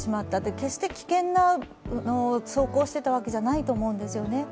決して危険な走行をしていたわけじゃないと思うんですよね。